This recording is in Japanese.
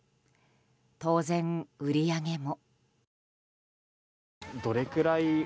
当然、売り上げも。